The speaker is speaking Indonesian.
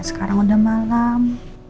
sekarang udah malem